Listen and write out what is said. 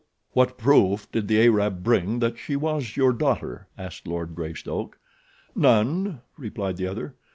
"What proof did the Arab bring that she was your daughter?" asked Lord Greystoke. "None," replied the other.